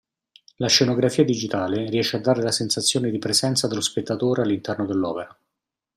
La scenografia digitale riesce a dare la sensazione di presenza dello spettatore all'interno dell'opera.